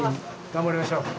頑張りましょうね。